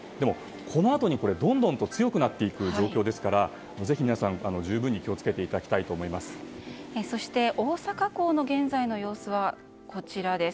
このあとにどんどん強くなっていく状況なのでぜひ皆さん、十分に気を付けていただきたいとそして、大阪港の現在の様子はこちらです。